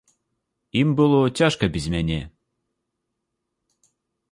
Ім было цяжка без мяне.